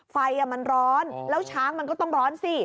ไฟมันร้อนแล้วช้างมันก็ต้องร้อนสิ